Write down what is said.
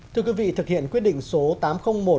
thưa quý vị thực hiện quyết định số tám trăm linh một